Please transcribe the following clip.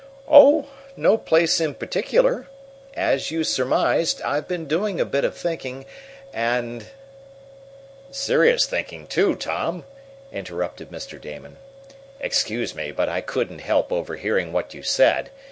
"Oh, no place in particular. As you surmised, I've been doing a bit of thinking, and " "Serious thinking, too, Tom!" interrupted Mr. Damon. "Excuse me, but I couldn't help overhearing what you said.